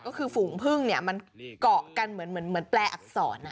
ก็คือฝูงพึ่งเนี่ยมันเกาะกันเหมือนแปลอักษร